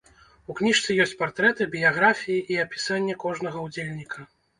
У кніжцы ёсць партрэты, біяграфіі і апісанне кожнага ўдзельніка.